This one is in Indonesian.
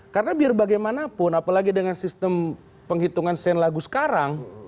karena biar bagaimanapun apalagi dengan sistem penghitungan sen lagu sekarang